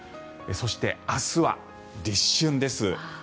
そして、明日は立春です。